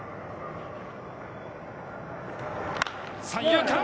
三遊間。